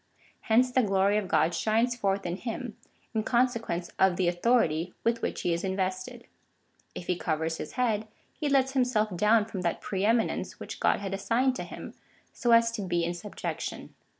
Hence the glory of God shines forth in him, in consequence of the authority with which he is invested. If he covers his head, he lets himself down from that pre eminence which God had assigned to him, so as to be in subjection.